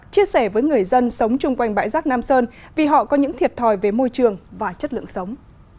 chia sẻ với người dân sống chung quanh bãi rác nam sơn vì họ có những thiệt thòi về môi trường và chất lượng sống